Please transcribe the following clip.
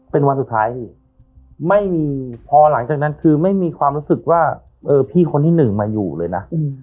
เป็นวันสุดท้ายพี่ไม่มีพอหลังจากนั้นคือไม่มีความรู้สึกว่าเออพี่คนที่หนึ่งมาอยู่เลยนะ